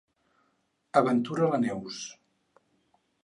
Aventura la Neus.